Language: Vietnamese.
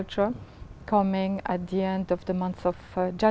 từ belgium hoặc